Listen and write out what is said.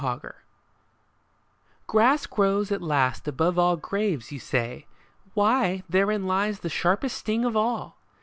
GRASS GROWN Grass grows at last above all graves, you say ? Why, therein lies the sharpest sting of all